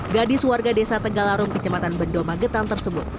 gadis warga desa tegalarum kecematan bendoma getan tersebut